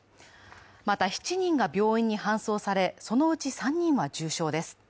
また７人が病院に搬送されそのうち３人は重傷です。